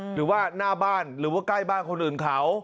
หรือว่าหน้าบ้านหรือว่าใกล้บ้านคนอื่นเขา